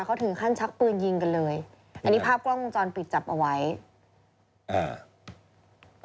เขาถึงขั้นชักปืนยิงกันเลยอันนี้ภาพกล้องวงจรปิดจับเอาไว้อ่า